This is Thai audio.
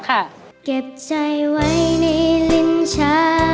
เก็บใจไว้ในลิ้นชา